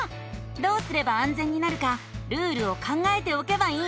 どうすればあんぜんになるかルールを考えておけばいいんだね。